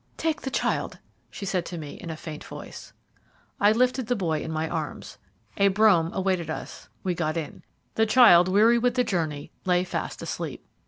"Take the child," she said to me, in a faint voice. I lifted the boy in my arms. A brougham awaited us; we got in. The child, weary with the journey, lay fast asleep.